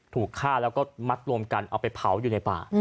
ถูกฆ่าแล้วก็มัดรวมกันเอาไปเผาอยู่ในป่า